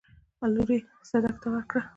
لور يې صدک ته ورکړه.